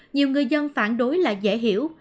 nhiều người dân phản đối là dễ hiểu